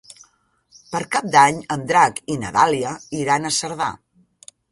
Per Cap d'Any en Drac i na Dàlia iran a Cerdà.